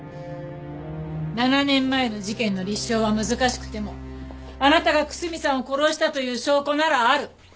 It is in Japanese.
７年前の事件の立証は難しくてもあなたが楠見さんを殺したという証拠ならある。